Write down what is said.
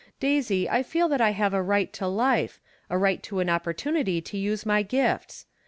Daisy, I feel tliat I have a right to life — a right to an oppor tunity to use my gifts.